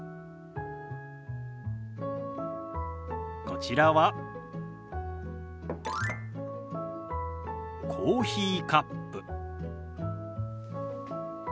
こちらはコーヒーカップ。